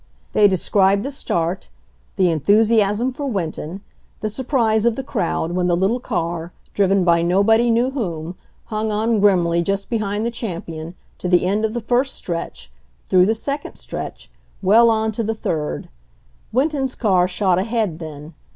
They describe the start, the enthusiasm for Winton, the surprise of the crowd when the little car, driven by nobody knew whom, hung on grimly just be hind the champion, to the end of the first stretch, through the second stretch, well on to the third. Winton's car shot ahead then.